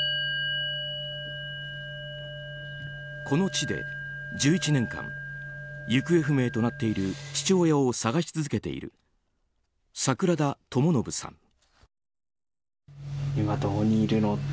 この地で１１年間行方不明となっている父親を捜し続けている櫻田朋房さん。